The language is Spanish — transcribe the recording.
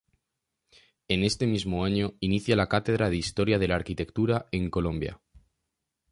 En ese mismo año inicia la cátedra de Historia de la Arquitectura en Colombia.